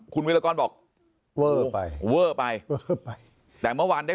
คุณวิรากรบอกเว้อไป